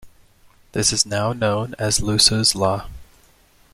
This is now known as Lusser's Law.